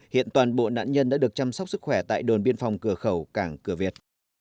hiện toàn bộ nạn nhân đã được chăm sóc sức khỏe tại đồn biên phòng cửa khẩu cảng cửa việt